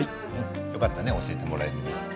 よかったね、教えてもらえて。